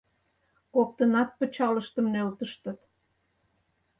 Коктынат пычалыштым нӧлтыштыт.